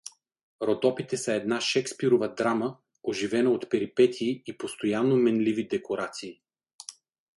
Родопите са една Шекспирова драма, оживена от перипетии и постоянно менливи декорации.